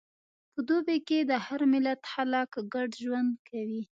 په دوبی کې د هر ملت خلک ګډ ژوند کوي.